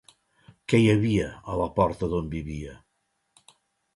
Què hi havia a la porta d'on vivia?